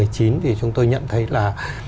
thì chúng tôi nhận thấy là